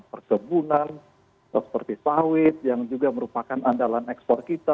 perkebunan seperti sawit yang juga merupakan andalan ekspor kita